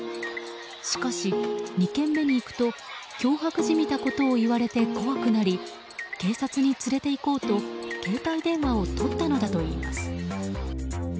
しかし、２軒目に行くと脅迫じみたことを言われて怖くなり警察に連れていこうと携帯電話をとったのだといいます。